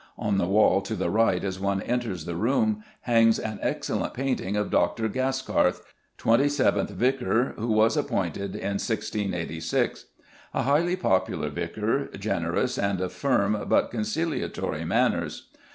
On the wall, to the right as one enters the room, hangs an excellent painting of Dr. Gaskarth, twenty seventh vicar, who was appointed in 1686. "A highly popular Vicar, generous, and of firm, but conciliatory manners.